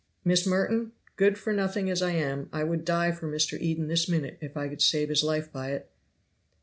Miss Merton, good for nothing as I am, I would die for Mr. Eden this minute if I could save his life by it."